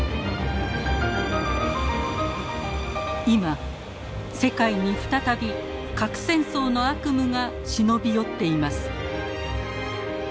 今世界に再び核戦争の悪夢が忍び寄っています。